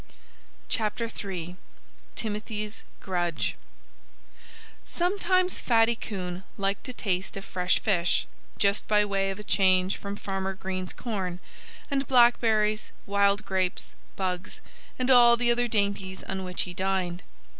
III TIMOTHY'S GRUDGE Sometimes Fatty Coon liked a taste of fresh fish, just by way of a change from Farmer Green's corn, and blackberries, wild grapes, bugs and all the other dainties on which he dined.